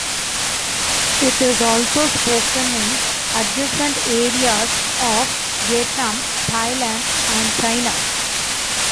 It is also spoken in adjacent areas of Vietnam, Thailand and China.